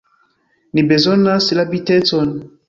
Ni bezonas rapidecon!